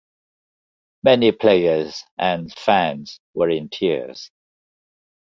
Many players and fans were in tears.